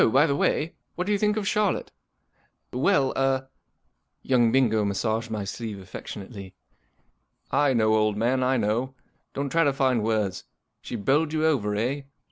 by the way, what do you think of Charlotte ?" Well—er J * Young Bingo massaged my sleeve affec¬ tionately. " I know, old man, I know, Don't try to find words. She bowled you over, eh